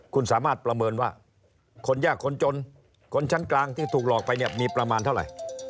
คุณสามารถประเมินว่าคนยากคนจนคนชั้นกลางที่ถูกหลอกไปเนี่ยมีประมาณเท่าไหร่